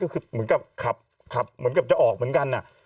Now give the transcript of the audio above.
ก็คือเหมือนกับขับเหมือนกับจะออกเหมือนกัน